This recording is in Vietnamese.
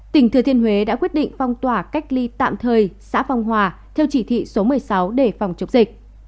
tỉnh thừa thiên huế đã quyết định phong tỏa cách ly tạm thời xã phong hòa theo chỉ thị số một mươi sáu để phòng chống dịch